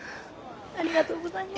ありがとうございます。